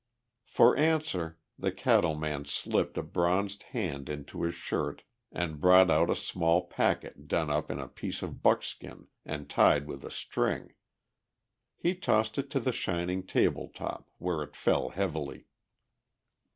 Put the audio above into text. For answer the cattle man slipped a bronzed hand into his shirt and brought out a small packet done up in a piece of buckskin and tied with a string. He tossed it to the shining table top, where it fell heavily.